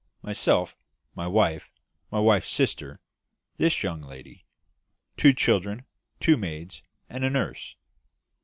"Myself, my wife, my wife's sister this young lady two children, two maids, and a nurse.